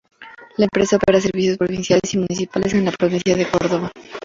La empresa opera servicios provinciales y municipales en la provincia de Córdoba.